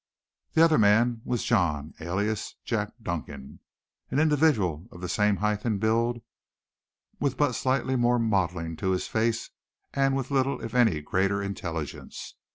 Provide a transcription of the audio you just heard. The other man was John alias "Jack" Duncan, an individual of the same height and build with but slightly more modeling to his face and with little if any greater intelligence.